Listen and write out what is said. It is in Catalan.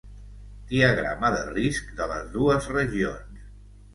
Diagrama de risc de les dues regions.